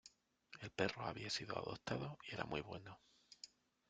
El perro había sido adoptado y era muy bueno.